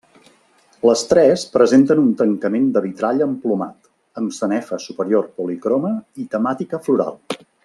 Les tres presenten un tancament de vitrall emplomat, amb sanefa superior policroma i temàtica floral.